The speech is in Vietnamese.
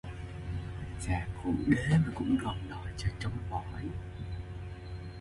Già khụ đế mà cũng còn đòi chơi trống bỏi